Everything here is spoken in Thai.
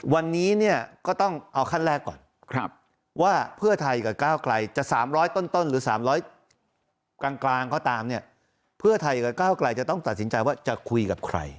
วันนี้เนี่ยก็ต้องเอาขั้นแรกก่อนครับว่าเพื่อไทยกับก้าวกลายจะสามร้อยต้นต้นหรือสามร้อยกลางกลางเขาตามเนี่ยเพื่อไทยกับก้าวกลายจะต้องตัดสินใจว่าจะคุยกับใคร